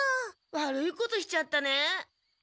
悪いことしちゃったね。